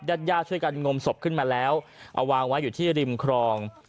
ญาติญาติช่วยกันงมศพขึ้นมาแล้วเอาวางไว้อยู่ที่ริมครอง